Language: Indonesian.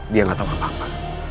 dia gak tau apa apa